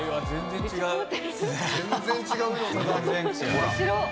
全然違うよ。